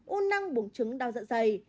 u năng buồng trứng đau dạ dày